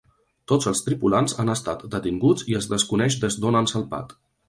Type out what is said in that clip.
Tots els tripulants han estat detinguts i es desconeix des d’on han salpat.